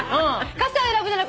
「傘を選ぶなら」